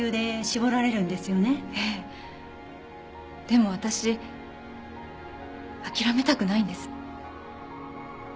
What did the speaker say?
でも私諦めたくないんです。